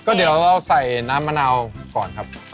เดี๋ยวเราใส่น้ำมะนาวก่อนครับ